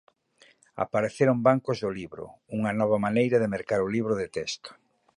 Apareceron bancos do libro, unha nova maneira de mercar o libro de texto.